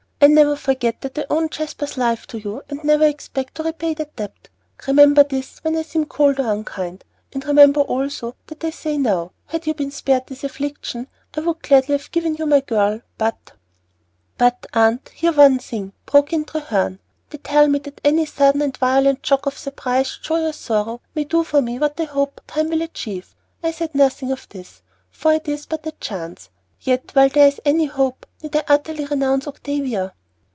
I never forget that I owe Jasper's life to you, and never expect to repay that debt. Remember this when I seem cold or unkind, and remember also that I say now, had you been spared this affliction, I would gladly have given you my girl. But " "But, Aunt, hear one thing," broke in Treherne. "They tell me that any sudden and violent shock of surprise, joy, or sorrow may do for me what they hope time will achieve. I said nothing of this, for it is but a chance; yet, while there is any hope, need I utterly renounce Octavia?"